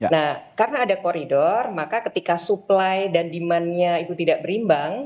nah karena ada koridor maka ketika supply dan demandnya itu tidak berimbang